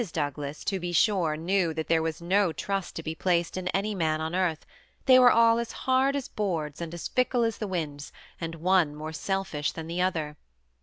Douglas, to be sure, knew that there was no trust to be placed in any man on earth ; they were all as hard as boards, and as fickle as the winds, and one more selfish than another.